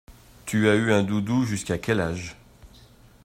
Tu as eu un doudou jusqu'à quel âge?